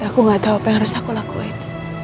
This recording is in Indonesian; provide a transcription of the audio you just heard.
aku gak tahu apa yang harus aku lakuin